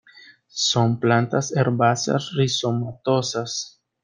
Son plantas herbáceas rizomatosas.